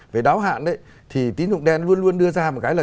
về đáo hạn thì tín dụng đen luôn luôn đưa ra một cái là